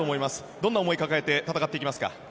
どんな思いを抱えて戦っていきますか？